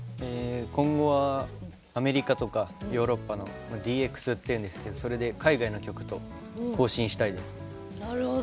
今後はアメリカとかヨーロッパのＤＸっていうんですけど海外の方と交信したいです。